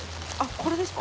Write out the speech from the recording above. これですか。